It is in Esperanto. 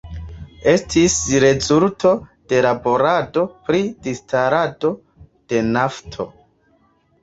Estis rezulto de laborado pri distilado de nafto.